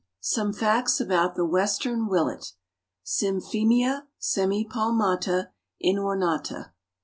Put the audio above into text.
SOME FACTS ABOUT THE WESTERN WILLET. (_Symphemia semipalmata inornata.